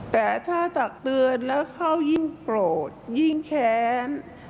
แต่ถ้าตักเตือนแล้วเข้ายิ่งโกรธยิ่งแค้น